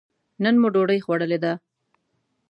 نن مو ډوډۍ خوړلې ده.